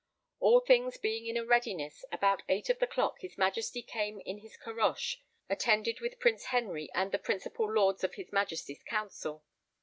All things being in a readiness, about eight of the clock his Majesty came in his caroche attended with Prince Henry and the principal Lords of his Majesty's Council.